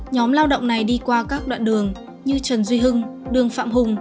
nhóm lao động này đi qua các đoạn đường như trần duy hưng đường phạm hùng